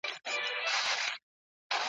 ته دوست پیدا که، دښمن پخپله پیدا کیږي !.